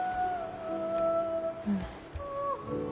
うん。